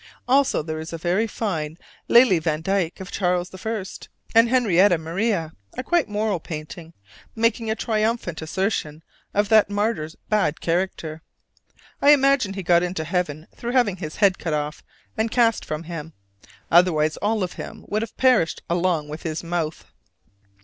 Also there is a very fine Lely Vandyck of Charles I. and Henrietta Maria, a quite moral painting, making a triumphant assertion of that martyr's bad character. I imagine he got into heaven through having his head cut off and cast from him: otherwise all of him would have perished along with his mouth.